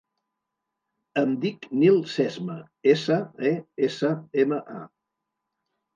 Em dic Nil Sesma: essa, e, essa, ema, a.